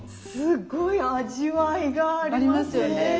すっごい味わいがありますね。